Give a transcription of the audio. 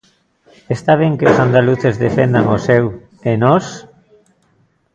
Está ben que os andaluces defendan o seu, e nós?